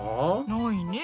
ないね。